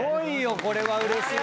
これはうれしい。